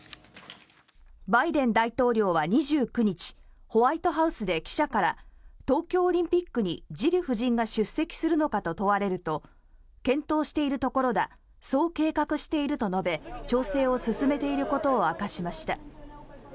バイデン大統領は２９日ホワイトハウスで記者から東京オリンピックにジル夫人が出席するのかと問われると検討しているところだそう計画していると述べ調整を進めていることを明かしました。